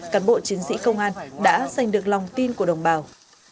cán bộ chiến sĩ công an đã giành được lòng tin của đồng bào